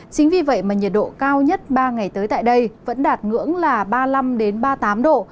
chính vì vậy mà nhiệt độ cao nhất ba ngày tới tại đây vẫn đạt ngưỡng là ba mươi năm ba mươi tám độ